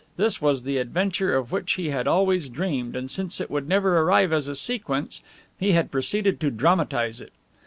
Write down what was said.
This was the adventure of which he had always dreamed, and since it would never arrive as a sequence, he had proceeded to dramatize it!